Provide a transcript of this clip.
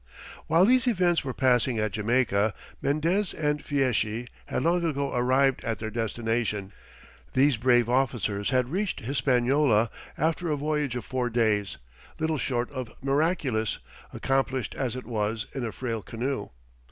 While these events were passing at Jamaica, Mendez and Fieschi had long ago arrived at their destination. These brave officers had reached Hispaniola after a voyage of four days, little short of miraculous, accomplished as it was in a frail canoe.